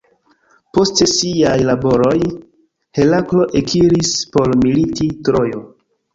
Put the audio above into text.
Poste siaj laboroj, Heraklo ekiris por militi Trojo.